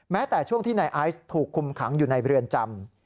แต่ช่วงที่นายไอซ์ถูกคุมขังอยู่ในเรือนจำ